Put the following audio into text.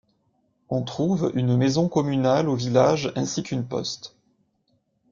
On trouve une maison communale au village ainsi qu'une poste.